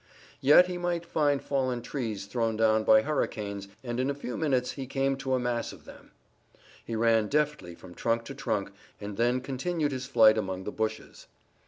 Yet he might find fallen trees thrown down by hurricanes, and in a few minutes he came to a mass of them. He ran deftly from trunk to trunk, and then continued his flight among the bushes.